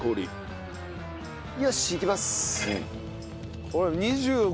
よしいきます。